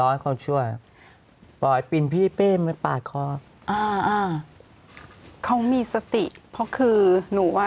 ร้องร้องพ่อช่วยปล่อยปัดคออ่าอ่าเขามีสติเพราะคือหนูอ่ะ